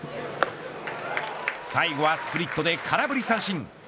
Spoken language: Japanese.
最後はスプリットで空振り三振。